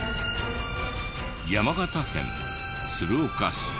山形県鶴岡市。